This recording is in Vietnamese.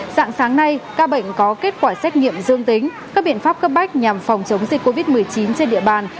dạng sáng nay ca bệnh có kết quả xét nghiệm dương tính các biện pháp cấp bách nhằm phòng chống dịch covid một mươi chín trên địa bàn